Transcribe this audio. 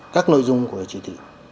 các nội dung của cái chỉ thị